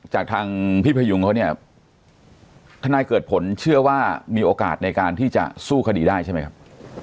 จากทางพี่พยุงเขาเนี่ยทนายเกิดผลเชื่อว่ามีโอกาสในการที่จะสู้คดีได้ใช่ไหมครับ